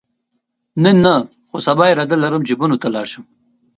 نن نه، خو سبا اراده لرم چې بنو ته لاړ شم.